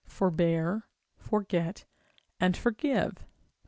Forbear, forget and forgive, xii.